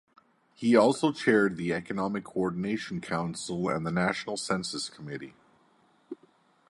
He also chaired the Economic Coordination Council and the National Census Committee.